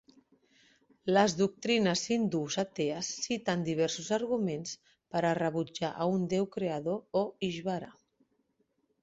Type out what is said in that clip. Les doctrines hindús atees citen diversos arguments per a rebutjar a un Déu creador o "Ishvara".